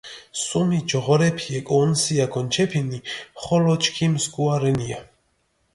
სუმი ჯოღორეფი ეკოჸუნსია გონჩეფინ, ხოლო ჩქიმ სქუა რენია.